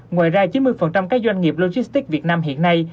ngoài ra chín mươi các doanh nghiệp logistics việt nam hiện nay